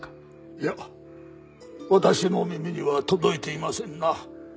いや私の耳には届いていませんな。